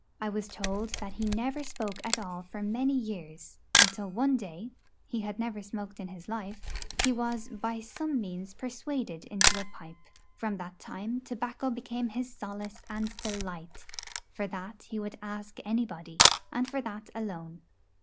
I was told that he never spoke at all for many years, until one day he had never smoked in his life he was by some means persuaded into a pipe. From that time tobacco became his solace and delight; for that he would ask anybody, and for that alone.